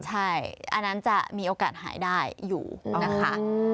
ใช่อันนั้นจะมีโอกาสหายได้อยู่นะคะ